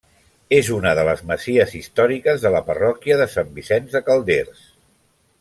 És una de les masies històriques de la parròquia de Sant Vicenç de Calders.